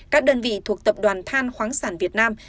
các đơn vị thuộc tập đoàn than khoáng sản việt nam